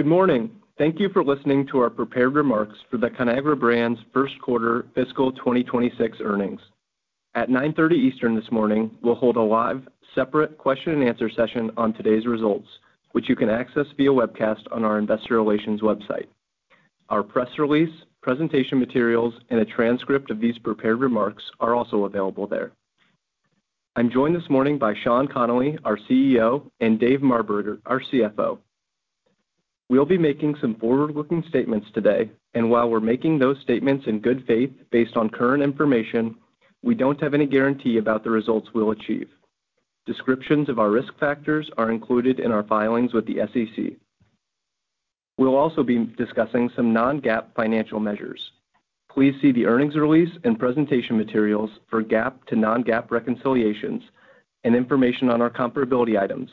Good morning. Thank you for listening to our prepared remarks for the Conagra Brands First Quarter Fiscal 2026 earnings. At 9:30 A.M. Eastern this morning, we'll hold a live, separate question-and-answer session on today's results, which you can access via webcast on our Investor Relations website. Our press release, presentation materials, and a transcript of these prepared remarks are also available there. I'm joined this morning by Sean Connolly, our CEO, and Dave Marberger, our CFO. We'll be making some forward-looking statements today, and while we're making those statements in good faith based on current information, we don't have any guarantee about the results we'll achieve. Descriptions of our risk factors are included in our filings with the SEC. We'll also be discussing some non-GAAP financial measures. Please see the earnings release and presentation materials for GAAP to non-GAAP reconciliations and information on our comparability items,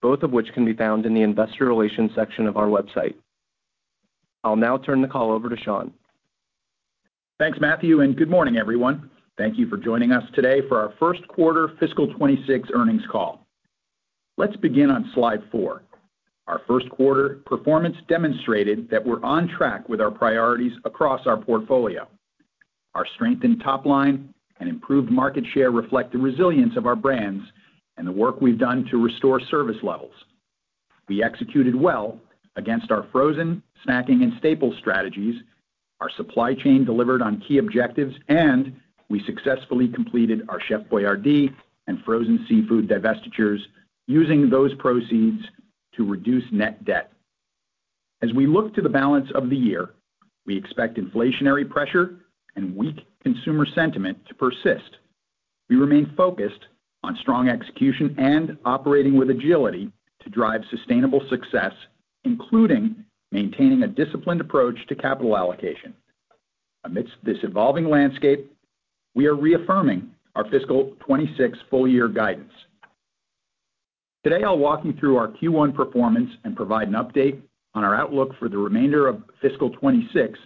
both of which can be found in the Investor Relations section of our website. I'll now turn the call over to Sean. Thanks, Matthew, and good morning, everyone. Thank you for joining us today for our First Quarter Fiscal 2026 earnings call. Let's begin on Slide 4. Our first quarter performance demonstrated that we're on track with our priorities across our portfolio. Our strengthened top line and improved market share reflect the resilience of our brands and the work we've done to restore service levels. We executed well against our frozen snacking and staples strategies, our supply chain delivered on key objectives, and we successfully completed our Chef Boyardee and frozen seafood divestitures using those proceeds to reduce net debt. As we look to the balance of the year, we expect inflationary pressure and weak consumer sentiment to persist. We remain focused on strong execution and operating with agility to drive sustainable success, including maintaining a disciplined approach to capital allocation. Amidst this evolving landscape, we are reaffirming our Fiscal 2026 full-year guidance. Today, I'll walk you through our Q1 performance and provide an update on our outlook for the remainder of Fiscal 2026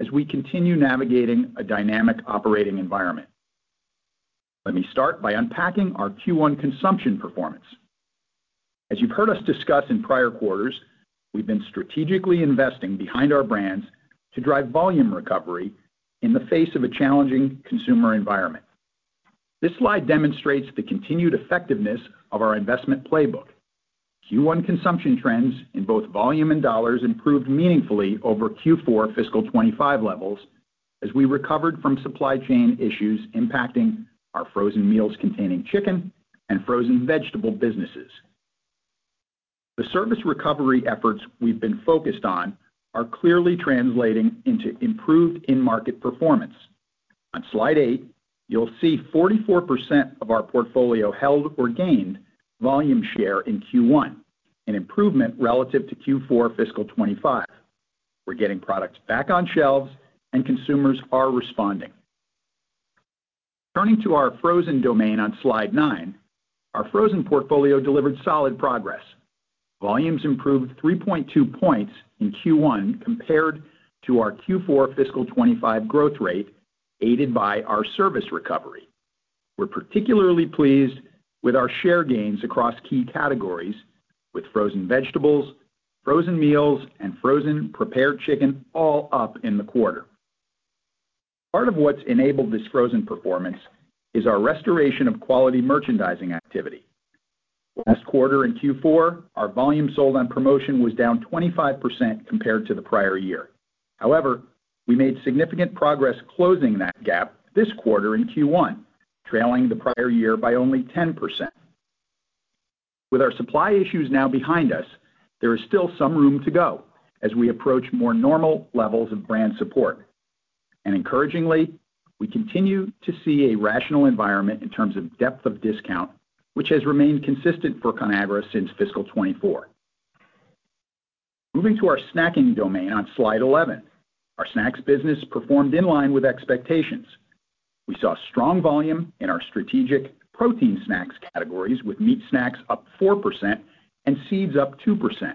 as we continue navigating a dynamic operating environment. Let me start by unpacking our Q1 consumption performance. As you've heard us discuss in prior quarters, we've been strategically investing behind our brands to drive volume recovery in the face of a challenging consumer environment. This slide demonstrates the continued effectiveness of our investment playbook. Q1 consumption trends in both volume and dollars improved meaningfully over Q4 Fiscal 2025 levels as we recovered from supply chain issues impacting our frozen meals containing chicken and frozen vegetable businesses. The service recovery efforts we've been focused on are clearly translating into improved in-market performance. On Slide 8, you'll see 44% of our portfolio held or gained volume share in Q1, an improvement relative to Q4 Fiscal 2025. We're getting products back on shelves, and consumers are responding. Turning to our frozen domain on Slide 9, our frozen portfolio delivered solid progress. Volumes improved 3.2 points in Q1 compared to our Q4 Fiscal 2025 growth rate, aided by our service recovery. We're particularly pleased with our share gains across key categories with frozen vegetables, frozen meals, and frozen prepared chicken, all up in the quarter. Part of what's enabled this frozen performance is our restoration of quality merchandising activity. Last quarter in Q4, our volume sold on promotion was down 25% compared to the prior year. However, we made significant progress closing that gap this quarter in Q1, trailing the prior year by only 10%. With our supply issues now behind us, there is still some room to go as we approach more normal levels of brand support, and encouragingly, we continue to see a rational environment in terms of depth of discount, which has remained consistent for Conagra since Fiscal 2024. Moving to our snacking domain on Slide 11, our snacks business performed in line with expectations. We saw strong volume in our strategic protein snacks categories, with meat snacks up 4% and seeds up 2%,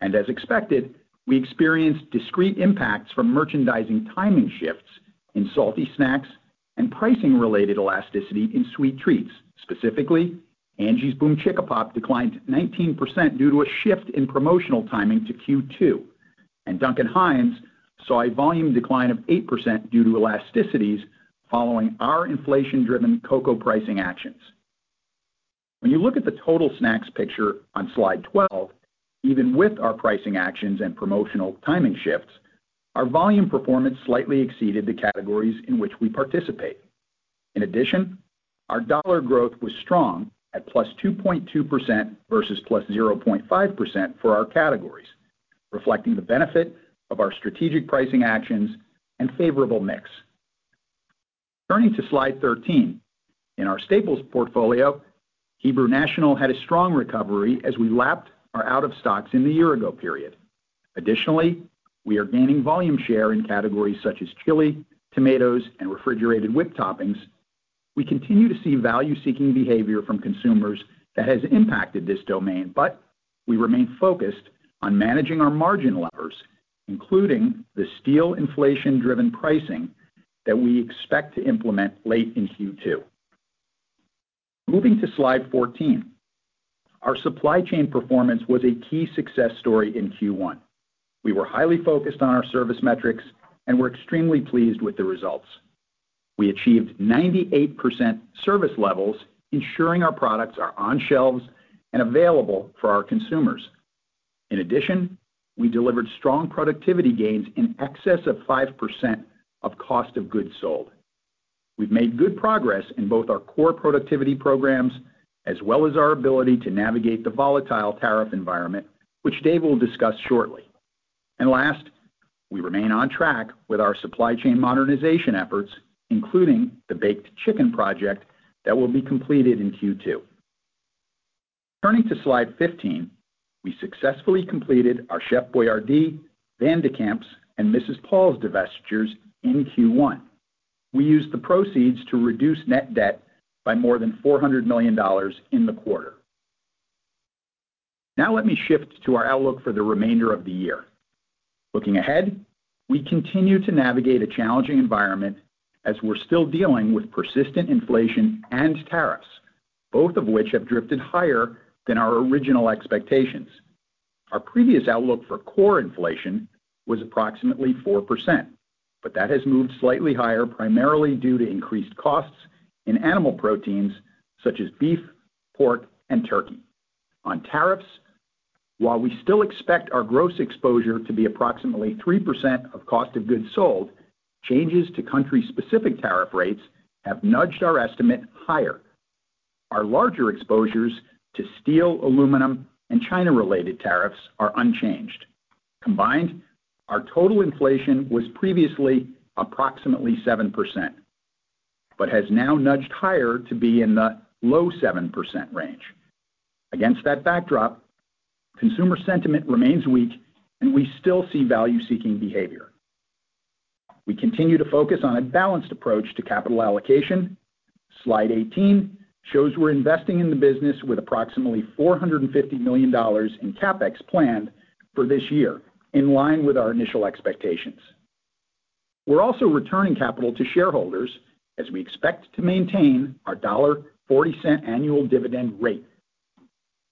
and as expected, we experienced discrete impacts from merchandising timing shifts in salty snacks and pricing-related elasticity in sweet treats. Specifically, Angie's BOOMCHICKAPOP declined 19% due to a shift in promotional timing to Q2, and Duncan Hines saw a volume decline of 8% due to elasticity following our inflation-driven cocoa pricing actions. When you look at the total snacks picture on Slide 12, even with our pricing actions and promotional timing shifts, our volume performance slightly exceeded the categories in which we participate. In addition, our dollar growth was strong at +2.2% versus +0.5% for our categories, reflecting the benefit of our strategic pricing actions and favorable mix. Turning to Slide 13, in our staples portfolio, Hebrew National had a strong recovery as we lapped our out-of-stocks in the year-ago period. Additionally, we are gaining volume share in categories such as chili, tomatoes, and refrigerated whipped toppings. We continue to see value-seeking behavior from consumers that has impacted this domain, but we remain focused on managing our margin levers, including the steel inflation-driven pricing that we expect to implement late in Q2. Moving to Slide 14, our supply chain performance was a key success story in Q1. We were highly focused on our service metrics and were extremely pleased with the results. We achieved 98% service levels, ensuring our products are on shelves and available for our consumers. In addition, we delivered strong productivity gains in excess of 5% of cost of goods sold. We've made good progress in both our core productivity programs as well as our ability to navigate the volatile tariff environment, which Dave will discuss shortly. And last, we remain on track with our supply chain modernization efforts, including the baked chicken project that will be completed in Q2. Turning to Slide 15, we successfully completed our Chef Boyardee, Van de Kamp's, and Mrs. Paul's divestitures in Q1. We used the proceeds to reduce net debt by more than $400 million in the quarter. Now let me shift to our outlook for the remainder of the year. Looking ahead, we continue to navigate a challenging environment as we're still dealing with persistent inflation and tariffs, both of which have drifted higher than our original expectations. Our previous outlook for core inflation was approximately 4%, but that has moved slightly higher primarily due to increased costs in animal proteins such as beef, pork, and turkey. On tariffs, while we still expect our gross exposure to be approximately 3% of cost of goods sold, changes to country-specific tariff rates have nudged our estimate higher. Our larger exposures to steel, aluminum, and China-related tariffs are unchanged. Combined, our total inflation was previously approximately 7% but has now nudged higher to be in the low 7% range. Against that backdrop, consumer sentiment remains weak, and we still see value-seeking behavior. We continue to focus on a balanced approach to capital allocation. Slide 18 shows we're investing in the business with approximately $450 million in CapEx planned for this year, in line with our initial expectations. We're also returning capital to shareholders as we expect to maintain our $1.40 annual dividend rate.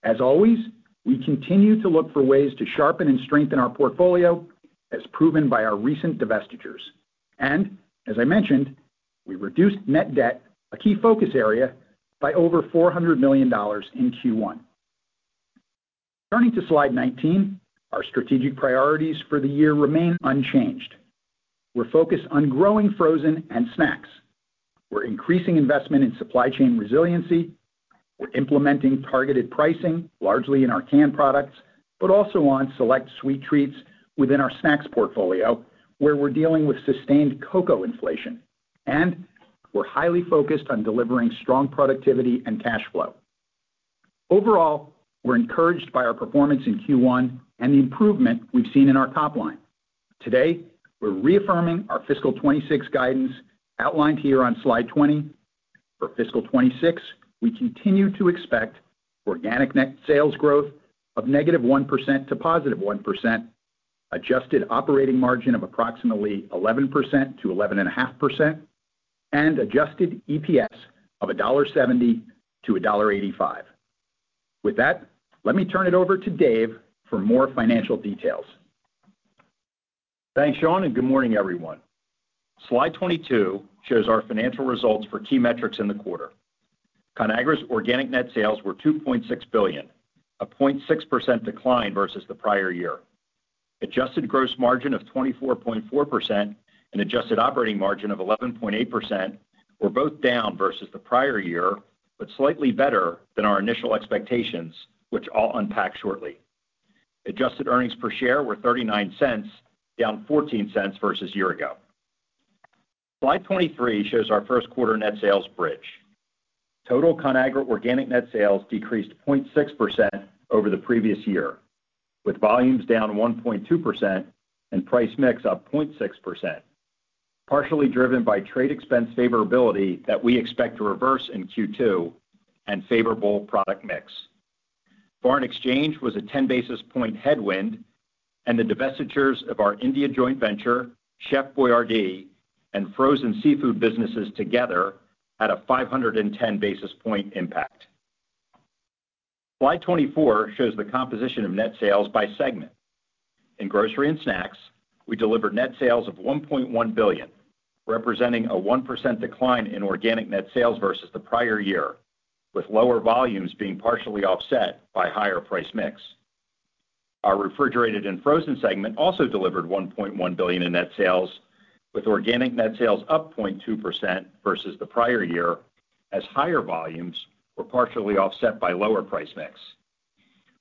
As always, we continue to look for ways to sharpen and strengthen our portfolio, as proven by our recent divestitures. And as I mentioned, we reduced net debt, a key focus area, by over $400 million in Q1. Turning to Slide 19, our strategic priorities for the year remain unchanged. We're focused on growing frozen and snacks. We're increasing investment in supply chain resiliency. We're implementing targeted pricing, largely in our canned products, but also on select sweet treats within our snacks portfolio, where we're dealing with sustained cocoa inflation. And we're highly focused on delivering strong productivity and cash flow. Overall, we're encouraged by our performance in Q1 and the improvement we've seen in our top line. Today, we're reaffirming our Fiscal 2026 guidance outlined here on Slide 20. For Fiscal 2026, we continue to expect organic net sales growth of negative 1% to positive 1%, adjusted operating margin of approximately 11% to 11.5%, and adjusted EPS of $1.70 to $1.85. With that, let me turn it over to Dave for more financial details. Thanks, Sean, and good morning, everyone. Slide 22 shows our financial results for key metrics in the quarter. Conagra's organic net sales were $2.6 billion, a 0.6% decline versus the prior year. Adjusted gross margin of 24.4% and adjusted operating margin of 11.8% were both down versus the prior year, but slightly better than our initial expectations, which I'll unpack shortly. Adjusted earnings per share were $0.39, down $0.14 versus a year ago. Slide 23 shows our first quarter net sales bridge. Total Conagra organic net sales decreased 0.6% over the previous year, with volumes down 1.2% and price mix up 0.6%, partially driven by trade expense favorability that we expect to reverse in Q2 and favorable product mix. Foreign exchange was a 10 basis points headwind, and the divestitures of our India joint venture, Chef Boyardee, and frozen seafood businesses together had a 510 basis points impact. Slide 24 shows the composition of net sales by segment. In Grocery & Snacks, we delivered net sales of $1.1 billion, representing a 1% decline in organic net sales versus the prior year, with lower volumes being partially offset by higher price mix. Our Refrigerated & Frozen segment also delivered $1.1 billion in net sales, with organic net sales up 0.2% versus the prior year as higher volumes were partially offset by lower price mix.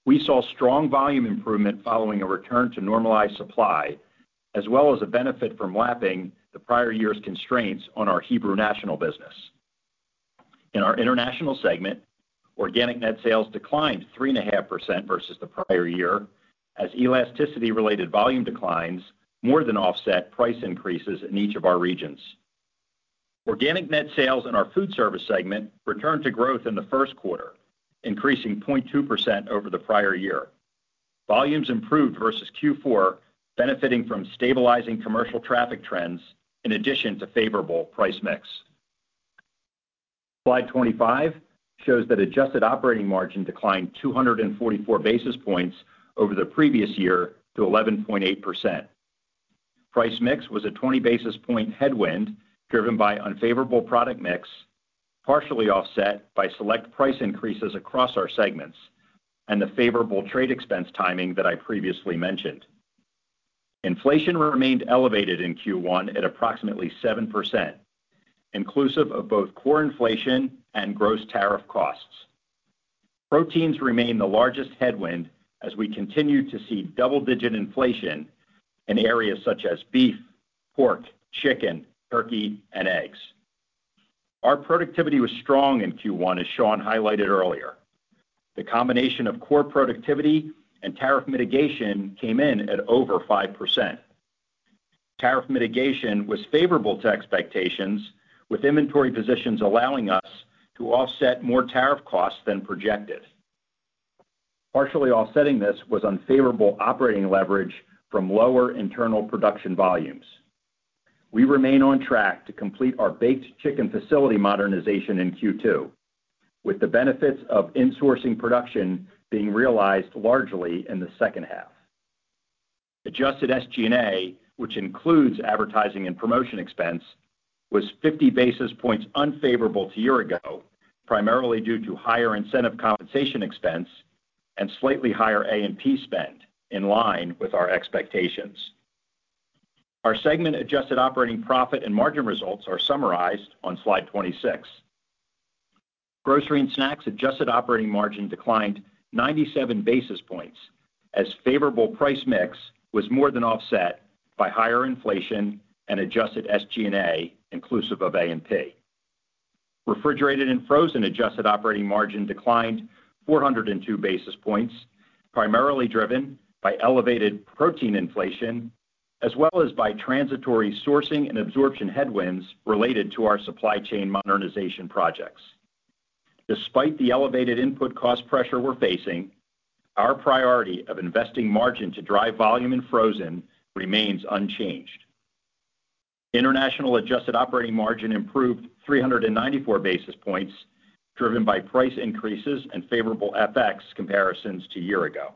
We saw strong volume improvement following a return to normalized supply, as well as a benefit from lapping the prior year's constraints on our Hebrew National business. In our International segment, organic net sales declined 3.5% versus the prior year as elasticity-related volume declines more than offset price increases in each of our regions. Organic net sales in our Foodservice segment returned to growth in the first quarter, increasing 0.2% over the prior year. Volumes improved versus Q4, benefiting from stabilizing commercial traffic trends in addition to favorable price mix. Slide 25 shows that adjusted operating margin declined 244 basis points over the previous year to 11.8%. Price mix was a 20 basis point headwind driven by unfavorable product mix, partially offset by select price increases across our segments and the favorable trade expense timing that I previously mentioned. Inflation remained elevated in Q1 at approximately 7%, inclusive of both core inflation and gross tariff costs. Proteins remain the largest headwind as we continue to see double-digit inflation in areas such as beef, pork, chicken, turkey, and eggs. Our productivity was strong in Q1, as Sean highlighted earlier. The combination of core productivity and tariff mitigation came in at over 5%. Tariff mitigation was favorable to expectations, with inventory positions allowing us to offset more tariff costs than projected. Partially offsetting this was unfavorable operating leverage from lower internal production volumes. We remain on track to complete our baked chicken facility modernization in Q2, with the benefits of insourcing production being realized largely in the second half. Adjusted SG&A, which includes advertising and promotion expense, was 50 basis points unfavorable to a year ago, primarily due to higher incentive compensation expense and slightly higher A&P spend in line with our expectations. Our segment adjusted operating profit and margin results are summarized on Slide 26. Grocery & Snacks adjusted operating margin declined 97 basis points as favorable price mix was more than offset by higher inflation and adjusted SG&A, inclusive of A&P. Refrigerated & Frozen adjusted operating margin declined 402 basis points, primarily driven by elevated protein inflation, as well as by transitory sourcing and absorption headwinds related to our supply chain modernization projects. Despite the elevated input cost pressure we're facing, our priority of investing margin to drive volume in frozen remains unchanged. International adjusted operating margin improved 394 basis points, driven by price increases and favorable FX comparisons to a year ago,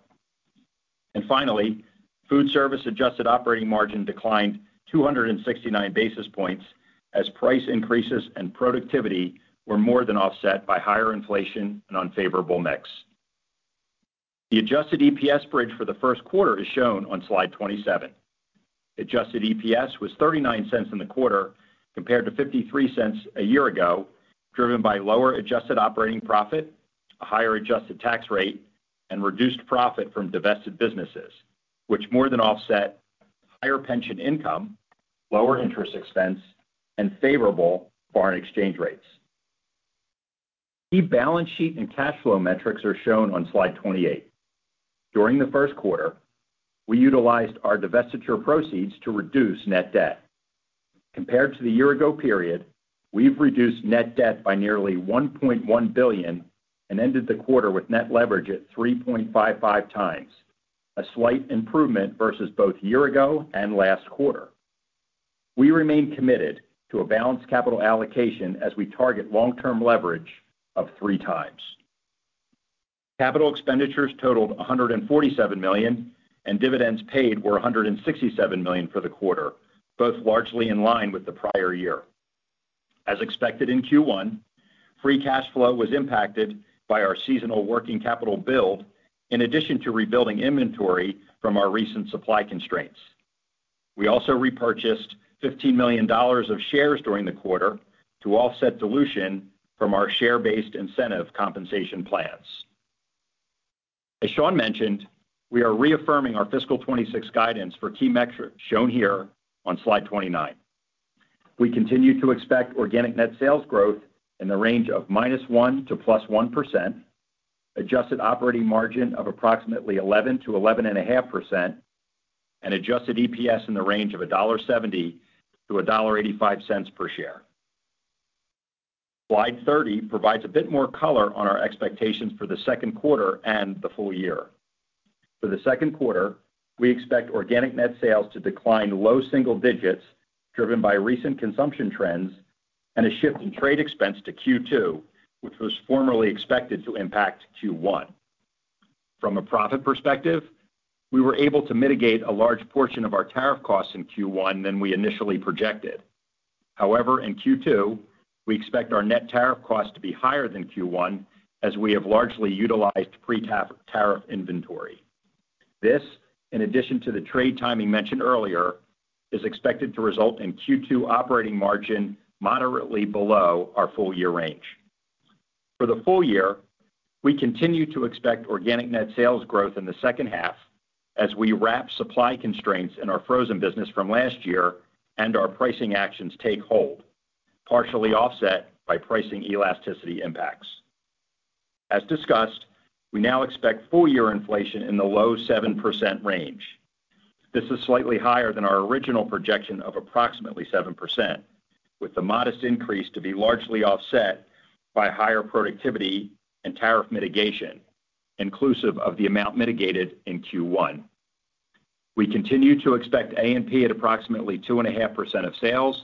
and finally, Foodservice adjusted operating margin declined 269 basis points as price increases and productivity were more than offset by higher inflation and unfavorable mix. The adjusted EPS bridge for the first quarter is shown on Slide 27. Adjusted EPS was $0.39 in the quarter compared to $0.53 a year ago, driven by lower adjusted operating profit, a higher adjusted tax rate, and reduced profit from divested businesses, which more than offset higher pension income, lower interest expense, and favorable foreign exchange rates. The balance sheet and cash flow metrics are shown on Slide 28. During the first quarter, we utilized our divestiture proceeds to reduce net debt. Compared to the year-ago period, we've reduced net debt by nearly $1.1 billion and ended the quarter with net leverage at 3.55x, a slight improvement versus both a year ago and last quarter. We remain committed to a balanced capital allocation as we target long-term leverage of 3x. Capital expenditures totaled $147 million, and dividends paid were $167 million for the quarter, both largely in line with the prior year. As expected in Q1, free cash flow was impacted by our seasonal working capital build in addition to rebuilding inventory from our recent supply constraints. We also repurchased $15 million of shares during the quarter to offset dilution from our share-based incentive compensation plans. As Sean mentioned, we are reaffirming our Fiscal 2026 guidance for key metrics shown here on Slide 29. We continue to expect organic net sales growth in the range of -1% to +1%, adjusted operating margin of approximately 11%-11.5%, and adjusted EPS in the range of $1.70-$1.85 per share. Slide 30 provides a bit more color on our expectations for the second quarter and the full year. For the second quarter, we expect organic net sales to decline low single digits, driven by recent consumption trends and a shift in trade expense to Q2, which was formerly expected to impact Q1. From a profit perspective, we were able to mitigate a large portion of our tariff costs in Q1 than we initially projected. However, in Q2, we expect our net tariff costs to be higher than Q1 as we have largely utilized pre-tariff inventory. This, in addition to the trade timing mentioned earlier, is expected to result in Q2 operating margin moderately below our full-year range. For the full year, we continue to expect organic net sales growth in the second half as we wrap supply constraints in our frozen business from last year and our pricing actions take hold, partially offset by pricing elasticity impacts. As discussed, we now expect full-year inflation in the low 7% range. This is slightly higher than our original projection of approximately 7%, with the modest increase to be largely offset by higher productivity and tariff mitigation, inclusive of the amount mitigated in Q1. We continue to expect A&P at approximately 2.5% of sales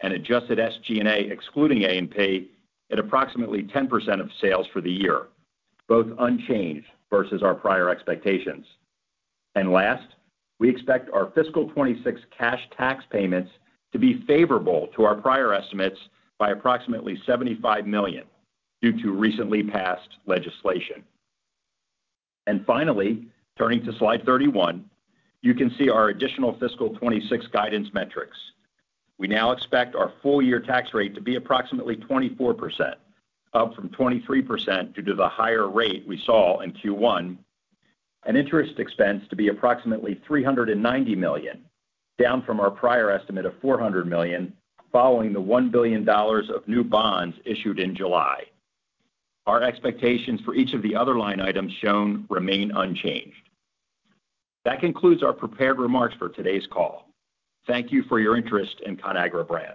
and adjusted SG&A excluding A&P at approximately 10% of sales for the year, both unchanged versus our prior expectations. Last, we expect our Fiscal 2026 cash tax payments to be favorable to our prior estimates by approximately $75 million due to recently passed legislation. Finally, turning to Slide 31, you can see our additional Fiscal 2026 guidance metrics. We now expect our full-year tax rate to be approximately 24%, up from 23% due to the higher rate we saw in Q1, and interest expense to be approximately $390 million, down from our prior estimate of $400 million following the $1 billion of new bonds issued in July. Our expectations for each of the other line items shown remain unchanged. That concludes our prepared remarks for today's call. Thank you for your interest in Conagra Brands.